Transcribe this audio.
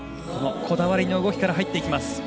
こだわりの動きから入っていきます。